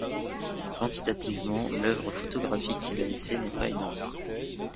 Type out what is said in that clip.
Quantitativement, l'œuvre photographique qu'il a laissée n'est pas énorme.